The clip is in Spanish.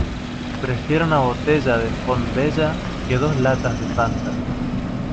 Prefiero una botella de Font Vella que dos latas de Fanta.